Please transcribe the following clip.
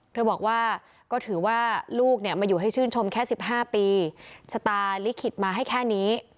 เธอบอกว่าก็ถือว่าลูกมาอยู่ให้ชื่นชมแค่๑๕ปีชะตาลิขิตมาให้แค่นี้